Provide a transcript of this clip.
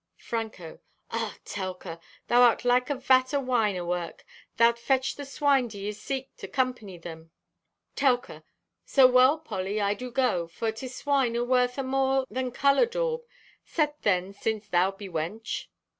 (Franco) "Ugh, Telka! Thou art like to a vat o' wine awork. Thou'lt fetch the swine do ye seek to company them." (Telka) "So well, Polly, I do go, for 'tis swine o' worth amore than color daub. Set thee, since thou be wench."